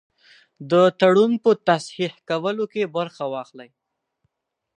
تړون په تصحیح کولو کې برخه واخلي.